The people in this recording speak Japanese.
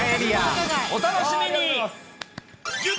お楽しみに。